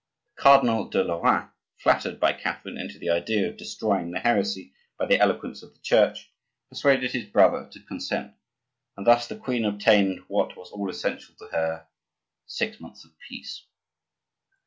The Cardinal de Lorraine, flattered by Catherine into the idea of destroying the heresy by the eloquence of the Church, persuaded his brother to consent; and thus the queen obtained what was all essential to her, six months of peace.